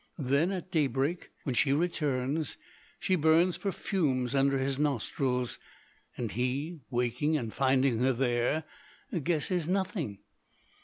Then at daybreak when she returns she burns perfumes under his nostrils, and he waking and finding her there guesses nothing.